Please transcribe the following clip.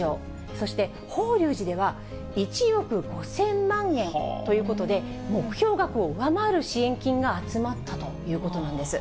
そして、法隆寺では１億５０００万円ということで、目標額を上回る支援金が集まったということなんです。